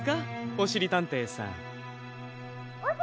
・おしりたんていさん！